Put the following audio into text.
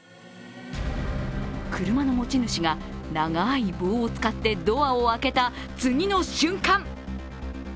車の持ち主が長い棒を使ってドアを開けた次の瞬間！